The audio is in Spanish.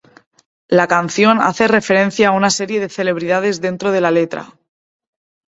La canción hace referencias a una serie de celebridades dentro de la letra.